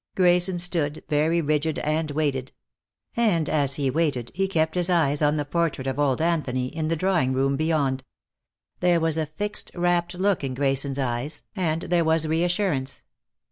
Grayson stood, very rigid, and waited. And as he waited he kept his eyes on the portrait of old Anthony, in the drawing room beyond. There was a fixed, rapt look in Grayson's eyes, and there was reassurance.